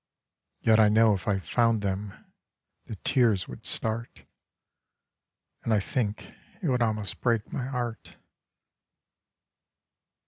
Yet I know if I found them, the tears would start, And I think It would almost break my heart.